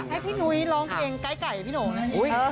อยากให้พี่หนุ่อลองเพลงใกล้พี่หนอเนี่ย